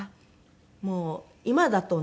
もう今だとね